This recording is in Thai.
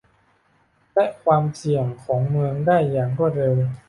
และความเสี่ยงของเมืองได้อย่างรวดเร็ว